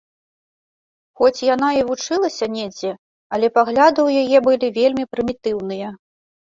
Хоць яна і вучылася недзе, але пагляды ў яе былі вельмі прымітыўныя.